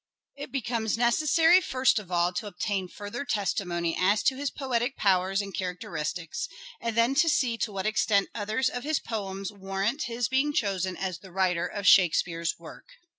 It becomes necessary first of all to obtain further testimony as to his poetic powers and characteristics, and then to see to what extent others of his poems warrant his being chosen as the writer of Shakespeare's work.